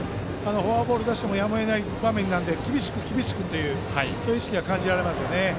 フォアボールを出してもやむを得ないので厳しくとそういう意識が感じられますよね。